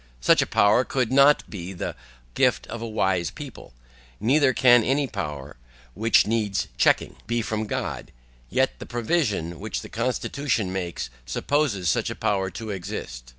Such a power could not be the gift of a wise people, neither can any power, WHICH NEEDS CHECKING, be from God; yet the provision, which the constitution makes, supposes such a power to exist.